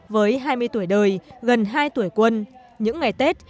với hai mươi tuổi đời gần hai tuổi quân những ngày tết